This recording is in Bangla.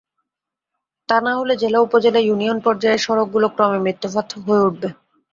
তা না হলে জেলা উপজেলা ইউনিয়ন পর্যায়ের সড়কগুলো ক্রমে মৃত্যুফাঁদ হয়ে উঠবে।